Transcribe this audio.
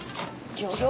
ギョギョ。